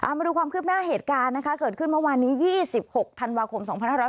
มาดูความคืบหน้าเหตุการณ์นะคะเกิดขึ้นเมื่อวานนี้๒๖ธันวาคม๒๕๖๐